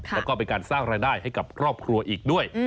แล้วก็เป็นการสร้างรายได้ให้กับครอบครัวอีกด้วย